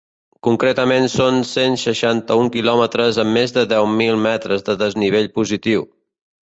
Concretament són cent seixanta-un quilòmetres amb més de deu mil metres de desnivell positiu.